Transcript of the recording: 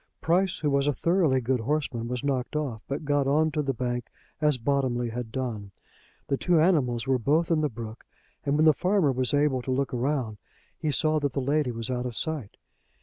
Price, who was a thoroughly good horseman, was knocked off, but got on to the bank as Bottomley had done. The two animals were both in the brook, and when the farmer was able to look round, he saw that the lady was out of sight.